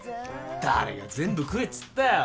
誰が全部食えっつったよ。